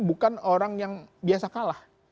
bukan orang yang biasa kalah